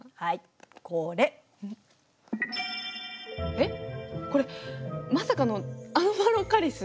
えっこれまさかのアノマロカリス？